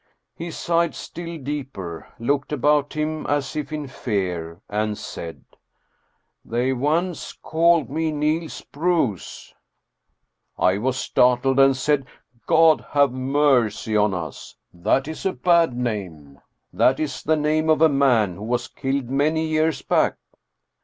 He sighed still deeper, looked about him as if in fear, and said, " They once called me Niels Bruus." 1 was startled, and said, " God have mercy on us ! That is a bad name. That is the name of a man who was killed many years back."